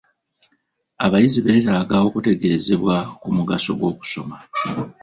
Abayizi beetaaga okutegeezebwa ku mugaso gw'okusoma.